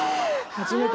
初めて？